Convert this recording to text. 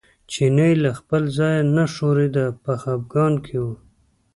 چینی له خپل ځایه نه ښورېده په خپګان کې و.